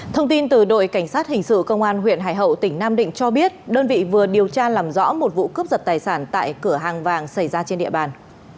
thông tin từ đội cảnh sát hình sự công an huyện hải hậu tỉnh nam định cho biết đơn vị vừa điều tra làm rõ một vụ cướp giật tài sản tại cửa hàng vàng xảy ra trên địa bàn